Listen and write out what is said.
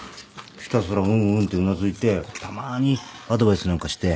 ひたすらうんうんってうなずいてたまーにアドバイスなんかして。